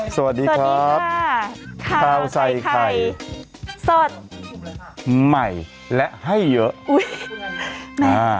สวัสดีครับสวัสดีครับขาวใส่ไข่สดใหม่และให้เยอะอุ้ยอ่า